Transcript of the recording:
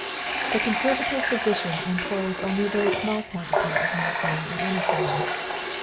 The conservative physician employs only a very small quantity of morphine in any form.